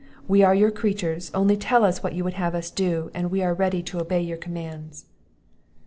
We are your creatures; only tell us what you would have us do, and we are ready to obey your commands."